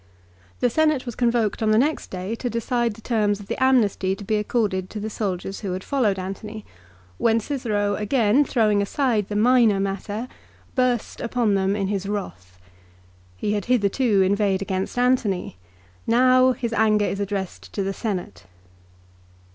The Senate was convoked on the next day to decide the terms of the amnesty to be accorded to the soldiers who had followed Antony, when Cicero again throwing aside the minor matter, burst upon them in his wrath. He had hitherto inveighed against Antony. Now his anger is addressed to the Senate.